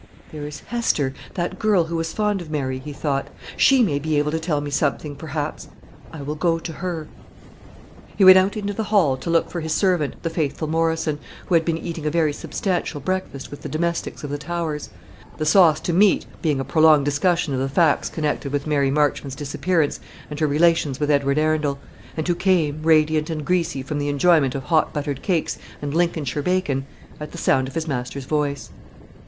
"There is Hester, that girl who was fond of Mary," he thought; "she may be able to tell me something, perhaps. I will go to her." He went out into the hall to look for his servant, the faithful Morrison, who had been eating a very substantial breakfast with the domestics of the Towers "the sauce to meat" being a prolonged discussion of the facts connected with Mary Marchmont's disappearance and her relations with Edward Arundel and who came, radiant and greasy from the enjoyment of hot buttered cakes and Lincolnshire bacon, at the sound of his master's voice.